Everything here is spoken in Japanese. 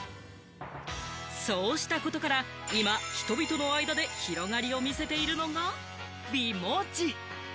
そうしたことから、今、人々の間で広がりを見せているのが美文字。